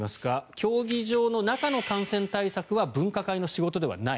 競技場の中の感染対策は分科会の仕事ではない。